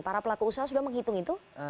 para pelaku usaha sudah menghitung itu